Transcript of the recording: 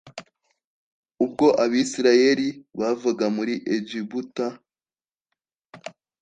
ubwo abisirayeli bavaga muri egiputa